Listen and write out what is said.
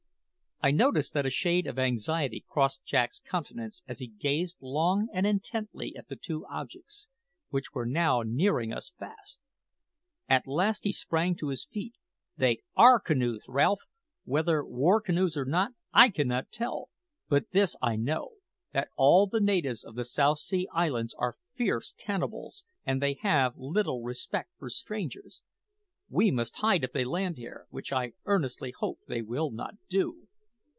I noticed that a shade of anxiety crossed Jack's countenance as he gazed long and intently at the two objects, which were now nearing us fast. At last he sprang to his feet. "They are canoes, Ralph! whether war canoes or not, I cannot tell; but this I know that all the natives of the South Sea Islands are fierce cannibals, and they have little respect for strangers. We must hide if they land here, which I earnestly hope they will not do."